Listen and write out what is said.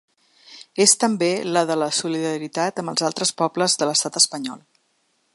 És també la de la solidaritat amb els altres pobles de l’estat espanyol.